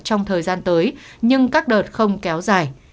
trong thời gian tới nhưng các đợt không kéo dài